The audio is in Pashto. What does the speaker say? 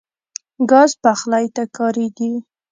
ګاز پخلی ته کارېږي.